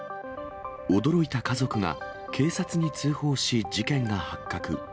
驚いた家族が警察に通報し、事件が発覚。